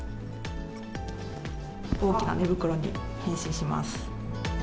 大きな寝袋に変身します。